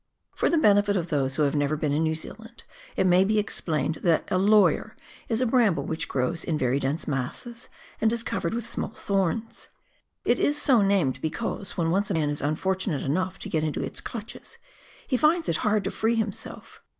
For the benefit of those who have never been in New Zealand, it may be explained that a " lawyer " is a bramble which grows in very dense masses, and is covered with small thorns. It is so named because, when once a man is unfortunate enough to get into its clutcheSj he finds it hard to free himself.